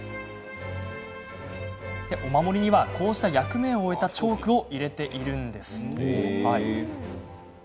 お守りにはこうした役目を終えたチョークを入れているんです。